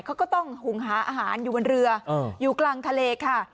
เขาก็ต้องหุงหาอาหารอยู่บนเรืออยู่กลางทะเลค่ะ